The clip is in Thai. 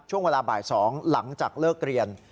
ช่วงเวลาบ่าย๒หลังจากเลิกเรียน